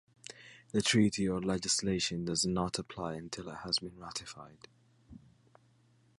The treaty or legislation does not apply until it has been ratified.